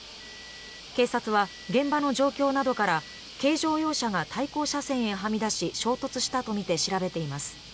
警察は現場の状況などから軽乗用車が対向車線へはみ出し衝突したとみて調べています。